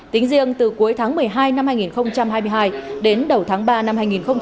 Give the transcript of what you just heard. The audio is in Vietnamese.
tính riêng từ cuối tháng một mươi hai năm hai nghìn hai mươi hai đến đầu tháng ba năm hai nghìn hai mươi